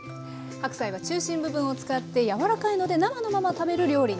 白菜は中心部分を使って柔らかいので生のまま食べる料理に向いています。